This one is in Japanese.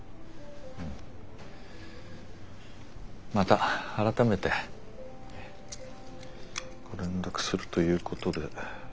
また改めてご連絡するということで。